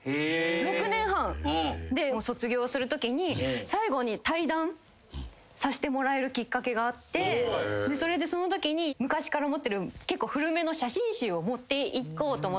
６年半。で卒業するときに最後に対談させてもらえるきっかけがあってそのときに昔から持ってる結構古めの写真集を持っていこうと思って。